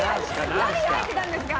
何が入ってたんですか？